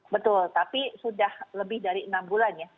betul tapi sudah lebih dari enam bulan ya